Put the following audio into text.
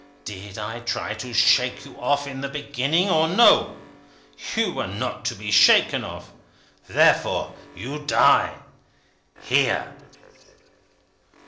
Did I try to shake you off in the beginning, or no? You were not to be shaken off. Therefore you die here."